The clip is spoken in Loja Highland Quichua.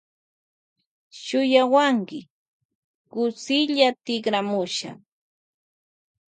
Shuyawanki kutsilla tikramusha.